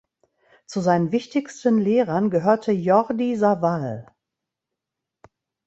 Zu seinen wichtigsten Lehrern gehörte Jordi Savall.